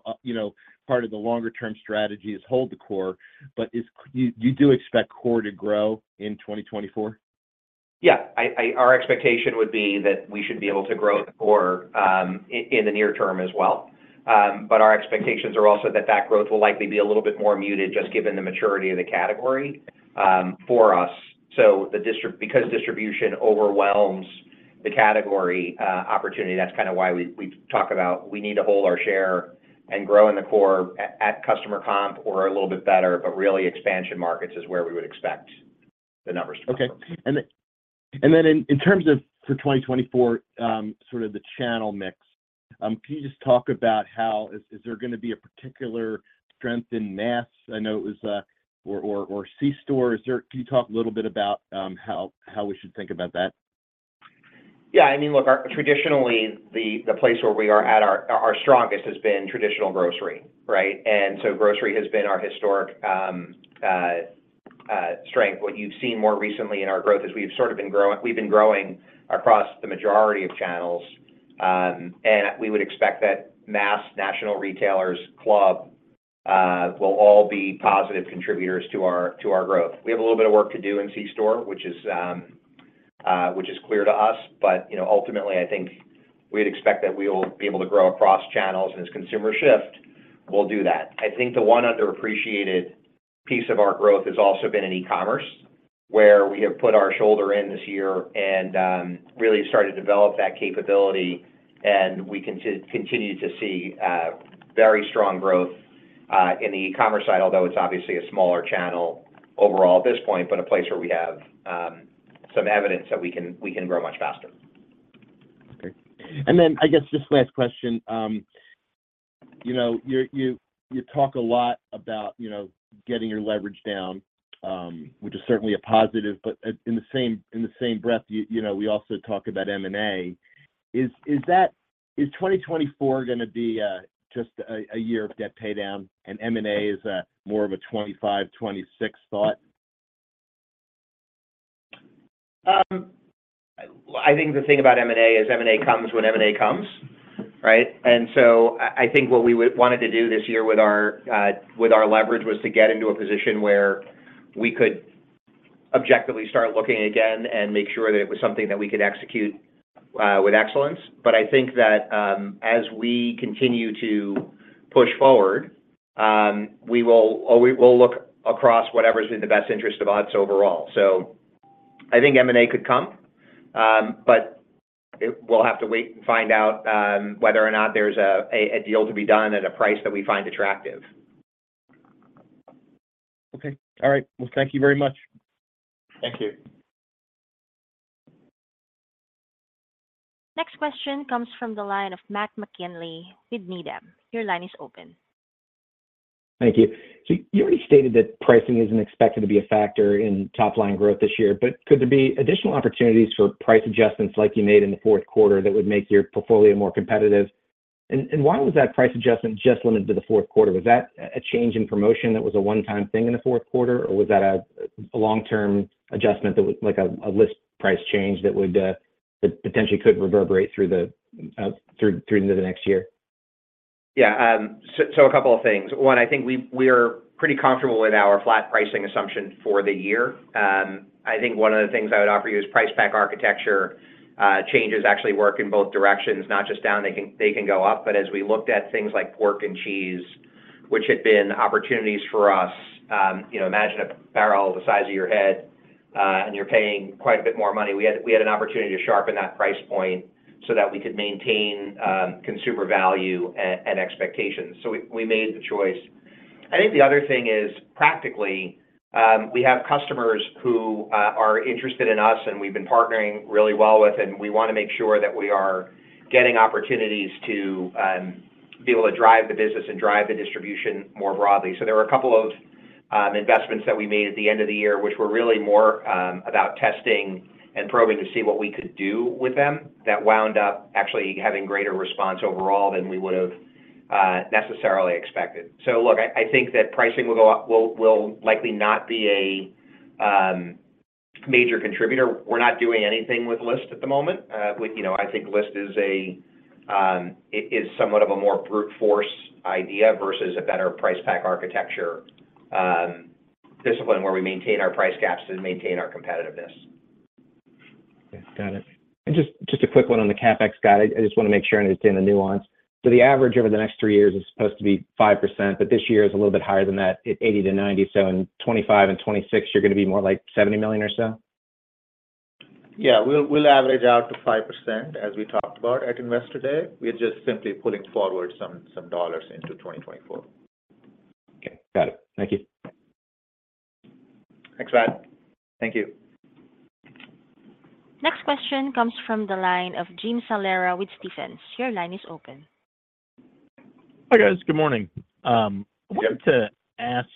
part of the longer-term strategy is hold the core, but you do expect core to grow in 2024? Yeah. Our expectation would be that we should be able to grow the core in the near term as well. But our expectations are also that that growth will likely be a little bit more muted just given the maturity of the category for us. So because distribution overwhelms the category opportunity, that's kind of why we talk about we need to hold our share and grow in the core at customer comp or a little bit better, but really expansion markets is where we would expect the numbers to go. Okay. And then in terms of for 2024, sort of the channel mix, can you just talk about how is there going to be a particular strength in mass? I know it was or C-Store. Can you talk a little bit about how we should think about that? Yeah. I mean, look, traditionally, the place where we are at our strongest has been traditional grocery, right? And so grocery has been our historic strength. What you've seen more recently in our growth is we've been growing across the majority of channels. And we would expect that mass national retailers club will all be positive contributors to our growth. We have a little bit of work to do in C-Store, which is clear to us. But ultimately, I think we would expect that we will be able to grow across channels. And as consumers shift, we'll do that. I think the one underappreciated piece of our growth has also been in e-commerce, where we have put our shoulder in this year and really started to develop that capability. We continue to see very strong growth in the e-commerce side, although it's obviously a smaller channel overall at this point, but a place where we have some evidence that we can grow much faster. Okay. And then I guess just last question. You talk a lot about getting your leverage down, which is certainly a positive, but in the same breath, we also talk about M&A. Is 2024 going to be just a year of debt paydown, and M&A is more of a 2025, 2026 thought? I think the thing about M&A is M&A comes when M&A comes, right? And so I think what we wanted to do this year with our leverage was to get into a position where we could objectively start looking again and make sure that it was something that we could execute with excellence. But I think that as we continue to push forward, we'll look across whatever's in the best interest of us overall. So I think M&A could come, but we'll have to wait and find out whether or not there's a deal to be done at a price that we find attractive. Okay. All right. Well, thank you very much. Thank you. Next question comes from the line of Matt McKinley with Needham. Your line is open. Thank you. So you already stated that pricing isn't expected to be a factor in top-line growth this year, but could there be additional opportunities for price adjustments like you made in the fourth quarter that would make your portfolio more competitive? And why was that price adjustment just limited to the fourth quarter? Was that a change in promotion that was a one-time thing in the fourth quarter, or was that a long-term adjustment, like a list price change that potentially could reverberate through into the next year? Yeah. So a couple of things. One, I think we are pretty comfortable with our flat pricing assumption for the year. I think one of the things I would offer you is Price Pack Architecture changes actually work in both directions, not just down. They can go up. But as we looked at things like pork and cheese, which had been opportunities for us, imagine a barrel the size of your head, and you're paying quite a bit more money. We had an opportunity to sharpen that price point so that we could maintain consumer value and expectations. So we made the choice. I think the other thing is, practically, we have customers who are interested in us, and we've been partnering really well with, and we want to make sure that we are getting opportunities to be able to drive the business and drive the distribution more broadly. So there were a couple of investments that we made at the end of the year, which were really more about testing and probing to see what we could do with them that wound up actually having greater response overall than we would have necessarily expected. So look, I think that pricing will likely not be a major contributor. We're not doing anything with list at the moment. I think list is somewhat of a more brute-force idea versus a better Price Pack Architecture discipline where we maintain our price gaps to maintain our competitiveness. Okay. Got it. And just a quick one on the CapEx guide. I just want to make sure I understand the nuance. So the average over the next three years is supposed to be 5%, but this year is a little bit higher than that, $80 million-$90 million. So in 2025 and 2026, you're going to be more like $70 million or so? Yeah. We'll average out to 5% as we talked about at Investor Day. We're just simply pulling forward some dollars into 2024. Okay. Got it. Thank you. Thanks, Matt. Thank you. Next question comes from the line of Jim Salera with Stephens. Your line is open. Hi, guys. Good morning. I wanted to ask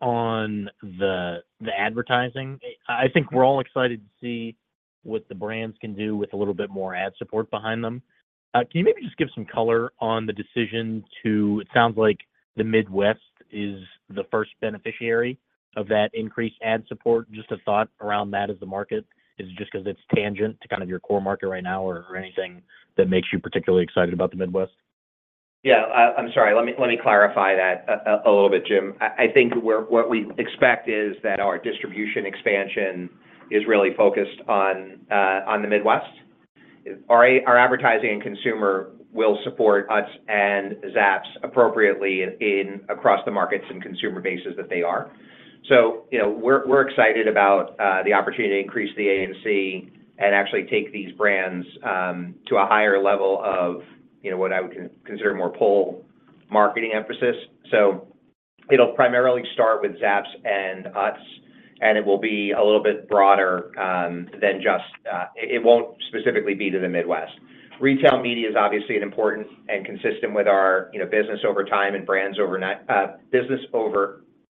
on the advertising. I think we're all excited to see what the brands can do with a little bit more ad support behind them. Can you maybe just give some color on the decision to it sounds like the Midwest is the first beneficiary of that increased ad support. Just a thought around that as the market. Is it just because it's tangent to kind of your core market right now or anything that makes you particularly excited about the Midwest? Yeah. I'm sorry. Let me clarify that a little bit, Jim. I think what we expect is that our distribution expansion is really focused on the Midwest. Our advertising and consumer will support Utz and Zapp's appropriately across the markets and consumer bases that they are. So we're excited about the opportunity to increase the ANC and actually take these brands to a higher level of what I would consider more pull marketing emphasis. So it'll primarily start with Zapp's and Utz, and it will be a little bit broader than just it won't specifically be to the Midwest. Retail media is obviously important and consistent with our business over time and brands over business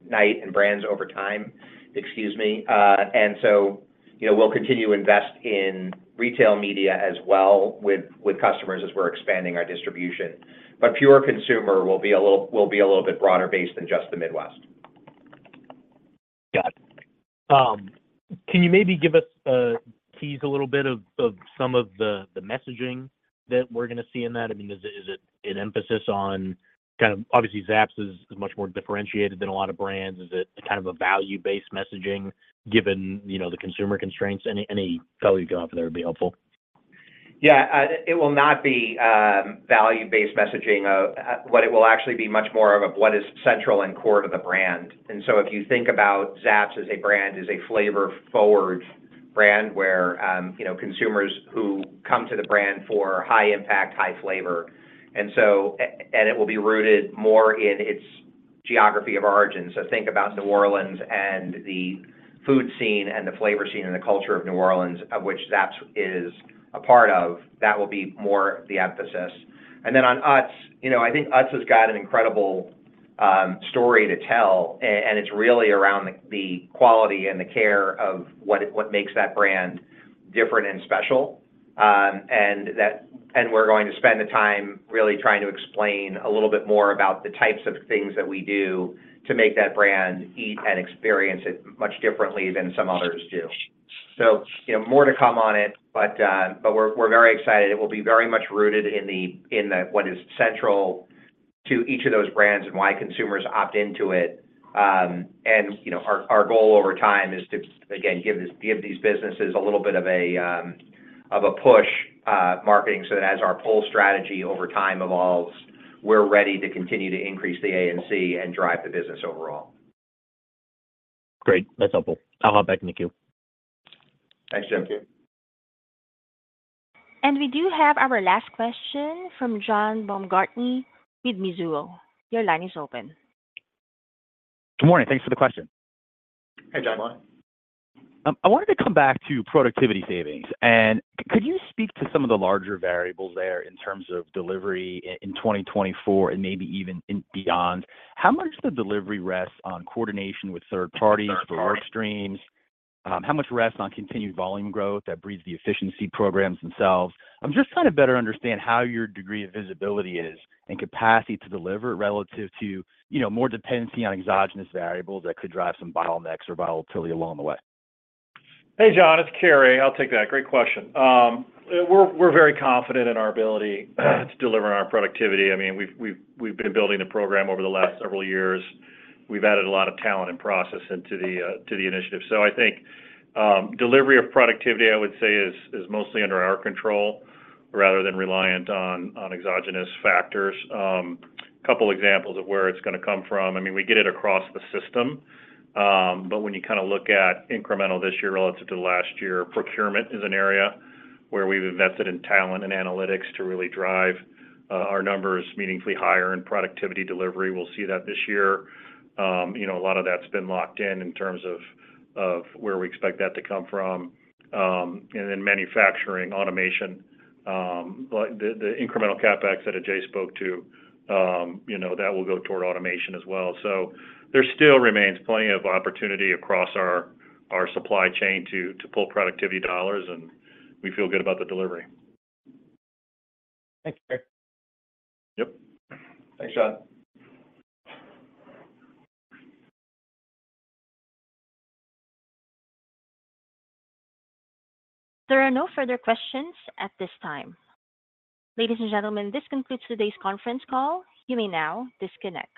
overnight and brands over time, excuse me. And so we'll continue to invest in retail media as well with customers as we're expanding our distribution. But pure consumer will be a little bit broader based than just the Midwest. Got it. Can you maybe give us a tease a little bit of some of the messaging that we're going to see in that? I mean, is it an emphasis on kind of obviously, Zapp's is much more differentiated than a lot of brands? Is it kind of a value-based messaging given the consumer constraints? Any help you can offer there would be helpful. Yeah. It will not be value-based messaging. What it will actually be much more of what is central and core to the brand. And so if you think about Zapp's as a brand, it is a flavor-forward brand where consumers who come to the brand for high impact, high flavor. And it will be rooted more in its geography of origin. So think about New Orleans and the food scene and the flavor scene and the culture of New Orleans, of which Zapp's is a part of. That will be more the emphasis. And then on Utz, I think Utz has got an incredible story to tell, and it's really around the quality and the care of what makes that brand different and special. We're going to spend the time really trying to explain a little bit more about the types of things that we do to make that brand eat and experience it much differently than some others do. More to come on it, but we're very excited. It will be very much rooted in what is central to each of those brands and why consumers opt into it. Our goal over time is to, again, give these businesses a little bit of a push marketing so that as our pull strategy over time evolves, we're ready to continue to increase the ANC and drive the business overall. Great. That's helpful. I'll hop back in the queue. Thanks, Jim. We do have our last question from John Baumgartner with Mizuho. Your line is open. Good morning. Thanks for the question. Hey, John. I wanted to come back to productivity savings. Could you speak to some of the larger variables there in terms of delivery in 2024 and maybe even beyond? How much of the delivery rests on coordination with third parties for work streams? How much rests on continued volume growth that breeds the efficiency programs themselves? I'm just trying to better understand how your degree of visibility is and capacity to deliver relative to more dependency on exogenous variables that could drive some bottlenecks or volatility along the way. Hey, John. It's Cary. I'll take that. Great question. We're very confident in our ability to deliver on our productivity. I mean, we've been building the program over the last several years. We've added a lot of talent and process into the initiative. So I think delivery of productivity, I would say, is mostly under our control rather than reliant on exogenous factors. A couple of examples of where it's going to come from. I mean, we get it across the system. But when you kind of look at incremental this year relative to the last year, procurement is an area where we've invested in talent and analytics to really drive our numbers meaningfully higher in productivity delivery. We'll see that this year. A lot of that's been locked in in terms of where we expect that to come from. And then manufacturing, automation. The incremental CapEx that Ajay spoke to, that will go toward automation as well. So there still remains plenty of opportunity across our supply chain to pull productivity dollars, and we feel good about the delivery. Thanks, Cary. Yep. Thanks, John. There are no further questions at this time. Ladies and gentlemen, this concludes today's conference call. You may now disconnect.